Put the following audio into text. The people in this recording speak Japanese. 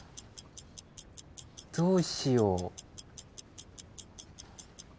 どうしよう。